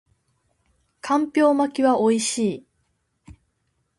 干瓢巻きは美味しい